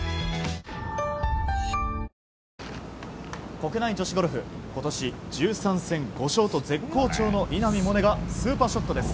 国内女子ゴルフ今年１３戦５勝と絶好調の稲見萌寧がスーパーショットです。